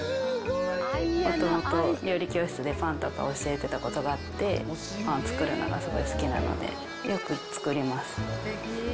もともと料理教室でパンとか教えてたことがあって、パン作るのがすごい好きなので、よく作ります。